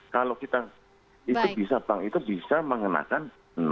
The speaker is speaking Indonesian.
kalau kita itu bisa bank itu bisa mengenakan